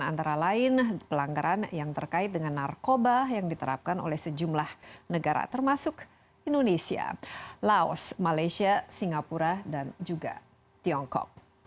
antara lain pelanggaran yang terkait dengan narkoba yang diterapkan oleh sejumlah negara termasuk indonesia laos malaysia singapura dan juga tiongkok